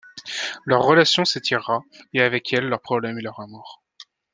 Leur relation s'étirera, et avec elle leurs problèmes et leur amour.